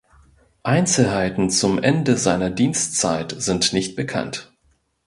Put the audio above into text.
Einzelheiten zum Ende seiner Dienstzeit sind nicht bekannt.